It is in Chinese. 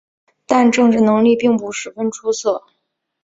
但政治能力并不十分出色。